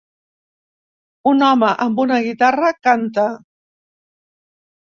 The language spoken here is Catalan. Un home amb una guitarra canta